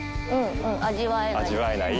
味わえない。